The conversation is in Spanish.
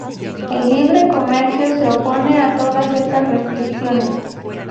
El libre comercio se opone a todas estas restricciones.